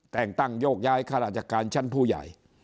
แต่งตั้งโยกย้ายข้าราชการชั้นผู้ใหญ่